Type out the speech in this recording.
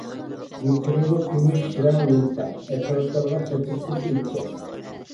گۈركىرەيدۇ كۈمۈش رەڭ لېنتا، ئەتراپلارغا چاچرىتىپ ئۈنچە.